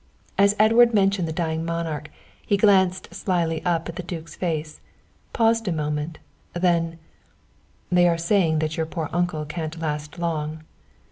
As Edward mentioned the dying monarch he glanced slyly up at the duke's face, paused a moment, then: "They are saying that your poor uncle can't last long."